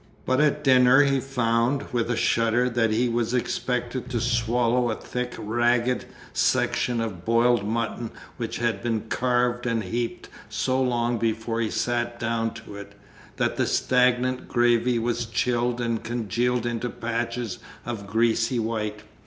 But at dinner he found, with a shudder, that he was expected to swallow a thick ragged section of boiled mutton which had been carved and helped so long before he sat down to it, that the stagnant gravy was chilled and congealed into patches of greasy white.